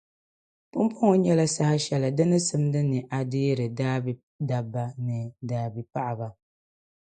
Pumpɔŋɔ nyɛla saha shɛli di ni simdi ni a deeri dabidɔbba ni dabipaɣiba?